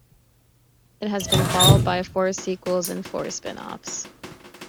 It has been followed by four sequels and four spin-offs.